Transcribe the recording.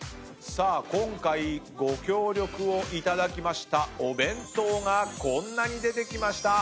今回ご協力をいただきましたお弁当がこんなに出てきました！